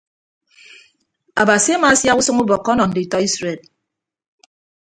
Abasi amaasiak usʌñ ubọkkọ ọnọ nditọ isred.